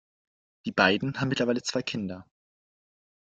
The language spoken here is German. Die beiden haben mittlerweile zwei Kinder.